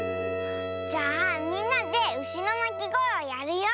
じゃあみんなでうしのなきごえをやるよ。